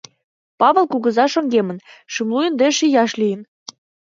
Павыл кугыза шоҥгемын, шымлу индеш ияш лийын.